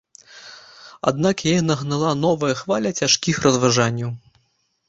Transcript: Аднак яе нагнала новая хваля цяжкіх разважанняў.